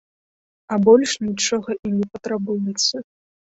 А больш нічога і не патрабуецца!